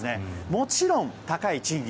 もちろん、高い賃金